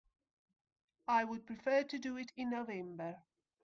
I would prefer to do it in November.